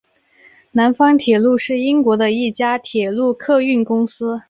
南方铁路是英国的一家铁路客运公司。